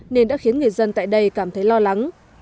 nên đã khiến người dân tại đây cảm thấy lo lắng